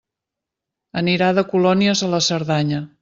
Anirà de colònies a la Cerdanya.